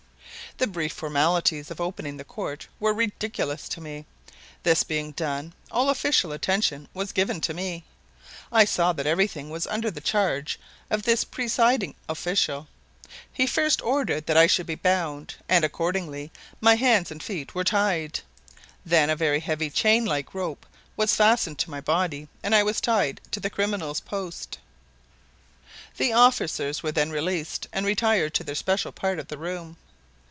The brief formalities of opening the court were ridiculous to me. This being done, all official attention was given to me. I saw that everything was under the charge of this presiding official. He first ordered that I should be bound and, accordingly, my hands and feet were tied. Then a very heavy chain like rope was fastened to my body and I was tied to the criminal's post. The officers were then released and retired to their special part of the room.